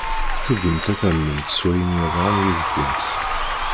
Tugimt ad tamnemt s wayen yeḍran yid-kent.